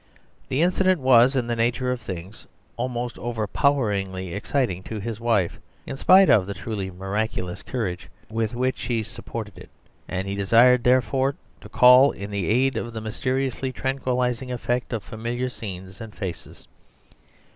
The incident was, in the nature of things, almost overpoweringly exciting to his wife, in spite of the truly miraculous courage with which she supported it; and he desired, therefore, to call in the aid of the mysteriously tranquillising effect of familiar scenes and faces.